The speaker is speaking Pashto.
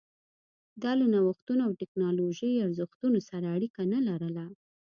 دا له نوښتونو او ټکنالوژۍ ارزښتونو سره اړیکه نه لرله